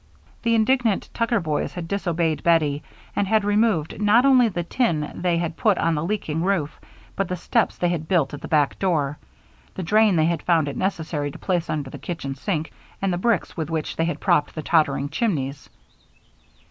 The indignant Tucker boys had disobeyed Bettie and had removed not only the tin they had put on the leaking roof, but the steps they had built at the back door, the drain they had found it necessary to place under the kitchen sink, and the bricks with which they had propped the tottering chimneys.